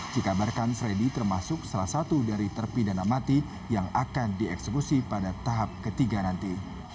dikabarkan freddy termasuk salah satu dari terpidana mati yang akan dieksekusi pada tahap ketiga nanti